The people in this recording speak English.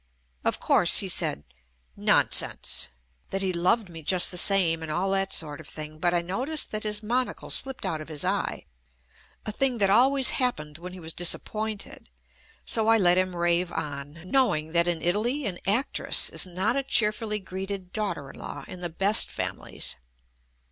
Of course, he said "Nonsense" — that he loved me just the same and all that sort of thing, but I noticed that his monocle slipped out of his eye (a thing that always happened when he was disappointed), so I let him rave on, knowing that in Italy an actress is not a cheer fully greeted daughter in law in the best fami lies.